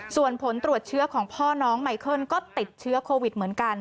ส่วนผลตรวจเชื้อของพ่อน้องไมเคิลก็ติดเชื้อโควิดเหมือนกัน